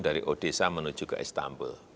dari odesa menuju ke istanbul